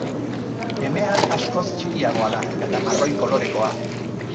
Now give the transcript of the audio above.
Emea askoz txikiagoa da, eta marroi kolorekoa.